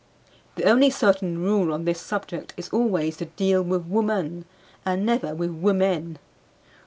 The only certain rule on this subject is always to deal with woman and never with women.